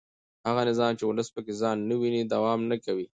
هغه نظام چې ولس پکې ځان نه ویني دوام نه کوي